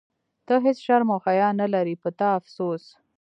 ته هیڅ شرم او حیا نه لرې، په تا افسوس.